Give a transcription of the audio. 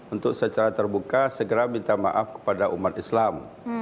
untuk secara terbuka segera minta maaf kepada umat islam